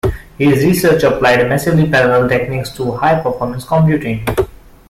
His research applied massively parallel techniques to high-performance computing.